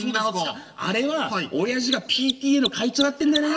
あれはおやじがＰＴＡの会長やってんだよな」。